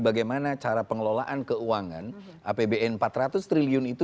bagaimana cara pengelolaan keuangan apbn empat ratus triliun itu